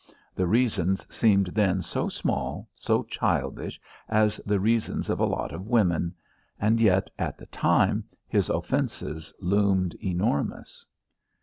The reasons seemed then so small, so childish, as the reasons of a lot of women. And yet at the time his offences loomed enormous.